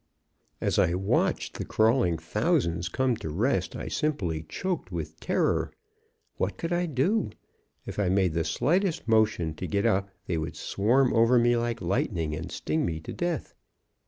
"As I watched the crawling thousands come to rest, I simply choked with terror. What could I do? If I made the slightest motion to get up, they would swarm over me like lightning, and sting me to death.